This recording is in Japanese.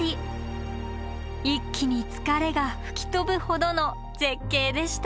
一気に疲れが吹き飛ぶほどの絶景でした